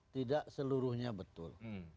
tidak seluruhnya betul